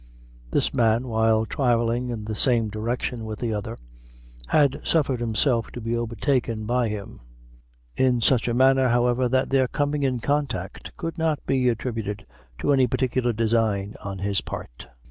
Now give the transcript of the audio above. This man, while travelling in the same direction with the other, had suffered himself to be overtaken by him: in such a manner, however, that their coming in contact could not be attributed to any particular design on his part.